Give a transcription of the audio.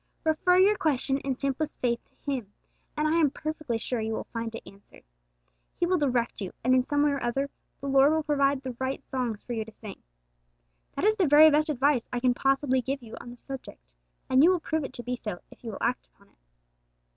Refer your question in simplest faith to Him, and I am perfectly sure you will find it answered. He will direct you, and in some way or other the Lord will provide the right songs for you to sing. That is the very best advice I can possibly give you on the subject, and you will prove it to be so if you will act upon it.